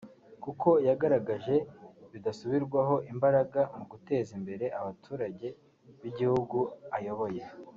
kuko yagaragaje bidasubirwaho imbaraga mu guteza imbere abaturage b’igihugu ayoboye